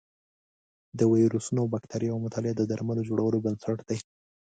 د ویروسونو او بکتریاوو مطالعه د درملو جوړولو بنسټ دی.